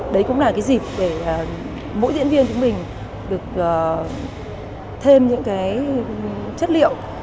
đấy cũng là cái dịp để mỗi diễn viên của mình được thêm những cái chất liệu